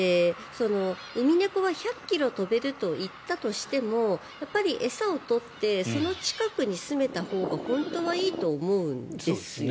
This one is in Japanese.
ウミネコは１００ｋｍ飛べるといったとしても餌を取ってその近くにすめたほうが本当はいいと思うんですよね。